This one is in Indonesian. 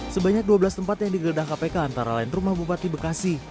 sebanyak dua belas tempat yang digeledah kpk antara lain rumah bupati bekasi